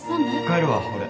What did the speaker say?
帰るわ俺。